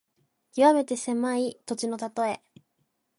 きわめて狭い土地のたとえ。